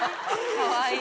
かわいい。